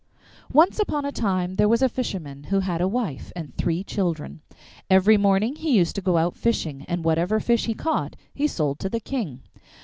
Once upon a time there was a fisherman who had a wife and three children. Every morning he used to go out fishing, and whatever fish he caught he sold to the King.